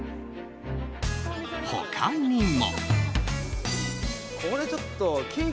他にも。